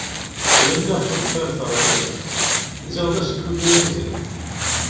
Ttɣilliɣ ɣef lxir terɣiḍ, ziɣ d asekkud uyaziḍ.